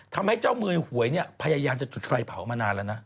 ทำให้เจ้ามือหวยเนี่ยพยายามจะจุดไฟเผามานานแล้วนะ